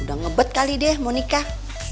udah ngebet kali deh mau nikah